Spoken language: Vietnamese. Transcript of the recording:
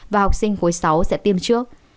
và học sinh khối sáu sẽ tiêm trước